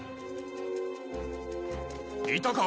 いたか？